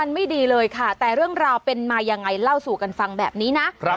ไม่ดีเลยค่ะแต่เรื่องราวเป็นมายังไงเล่าสู่กันฟังแบบนี้นะ